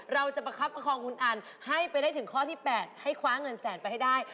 เราจะประคับประคองคุณอันให้ไปได้ถึงข้อที่๘ให้คว้าเงินแสนไปให้ได้